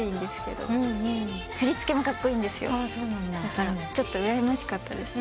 だからちょっとうらやましかったです。